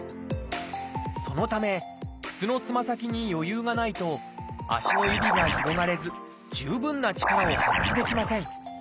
そのため靴のつま先に余裕がないと足の指が広がれず十分な力を発揮できません。